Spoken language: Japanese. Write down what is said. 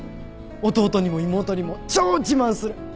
弟にも妹にも超自慢する。